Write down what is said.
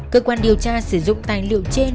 cơ quan điều tra sử dụng tài liệu trên